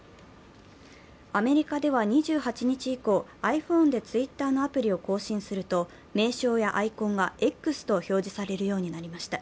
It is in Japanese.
アメリカでは２８日以降ｉＰｈｏｎｅでＴｗｉｔｔｅｒのアプリを更新すると名称やアイコンが「Ｘ」と表示されるようになりました。